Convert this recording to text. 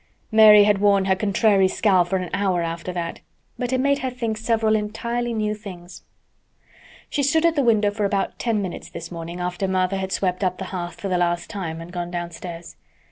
Mary had worn her contrary scowl for an hour after that, but it made her think several entirely new things. She stood at the window for about ten minutes this morning after Martha had swept up the hearth for the last time and gone downstairs.